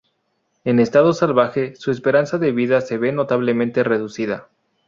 En estado salvaje, su esperanza de vida se ve notablemente reducida.